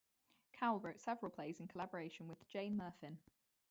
Cowl wrote several plays in collaboration with Jane Murfin.